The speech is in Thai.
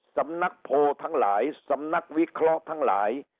สำนักโพลทั้งหลายสำนักวิเคราะห์ทั้งหลาย